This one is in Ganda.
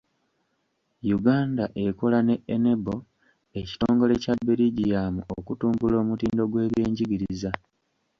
Uganda ekola ne Enable ekitongole kya Beligium okutumbula omutindo gw'ebyenjigiriza.